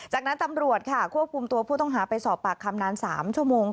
จากนั้นตำรวจค่ะควบคุมตัวผู้ต้องหาไปสอบปากคำนาน๓ชั่วโมง